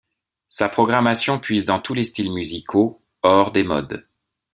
Sa programmation puise dans tous les styles musicaux, hors des modes.